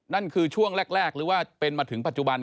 นั่นคือช่วงแรกหรือว่าเป็นมาถึงปัจจุบัน